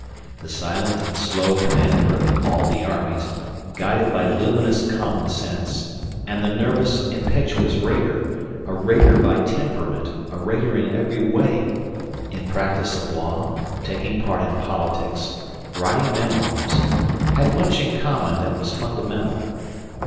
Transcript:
The silent and slow commander of "all the armies", guided by luminous common sense, and the nervous, impetuous raider a raider by temperament, a raider in every way in practice of law, taking part in politics, writing "Memoirs", had much in common that was fundamental.